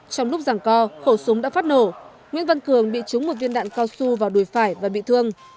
trong lúc giảng co khổ súng đã phát nổ nguyễn văn cường bị trúng một viên đạn cao su vào đùi phải và bị thương